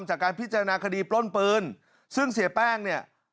จากการพิจารณาคดีปล้นปืนซึ่งเสียแป้งเนี่ย